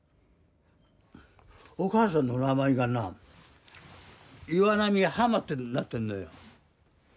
お母さんの名前がな岩波ハマってなってんのよ。